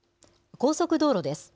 高速道路です。